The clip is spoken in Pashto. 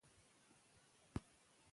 ثنا اوس خپل نوم نه کاروي.